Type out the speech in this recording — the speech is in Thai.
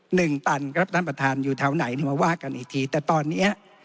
หนึ่งตันครับท่านประธานอยู่แถวไหนเนี่ยมาว่ากันอีกทีแต่ตอนเนี้ย